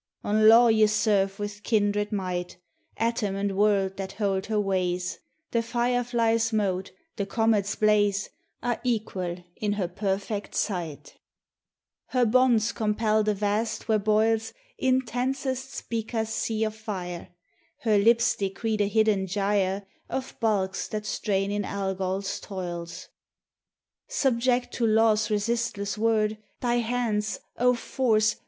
On Law ye serve with kindred might, Atom and world that hold her ways; The firefly's mote, the comet's blaze, Are equal in her perfect sight. 59 THE TESTIMONY OF THE SUNS. Her bonds compel the Vast where boils Intensest Spica's sea of fire; Her lips decree the hidden gyre Of bulks that strain in Algol's toils. Subject to Law's resistless word, Thy hands, O Force!